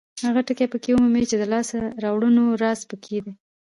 هغه ټکي پکې ومومئ چې د لاسته راوړنو راز پکې دی.